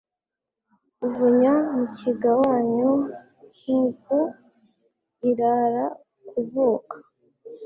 Uvunya Mukiga wanyu, Ntuku irara kuvuka.